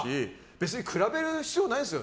別に比べる必要ないですよ。